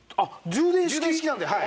充電式なのではい。